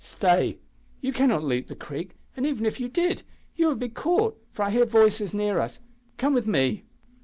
Stay! You cannot leap the creek, and, even if you did, you would be caught, for I hear voices near us. Come with me."